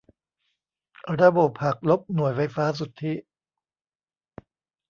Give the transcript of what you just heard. ระบบหักลบหน่วยไฟฟ้าสุทธิ